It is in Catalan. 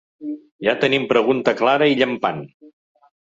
Ja tenim pregunta clara i llampant.